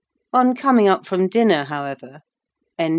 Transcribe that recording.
On coming up from dinner, however, (N.